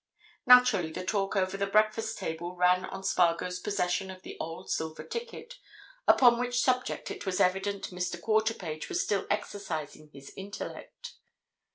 Naturally, the talk over the breakfast table ran on Spargo's possession of the old silver ticket, upon which subject it was evident Mr. Quarterpage was still exercising his intellect.